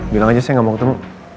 bilang aja saya gak mau ketemu